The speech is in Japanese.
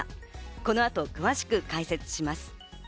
この後、詳しく解説します。